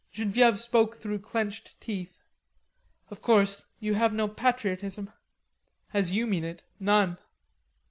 Genevieve spoke through clenched teeth: "Of course, you have no patriotism." "As you mean it, none."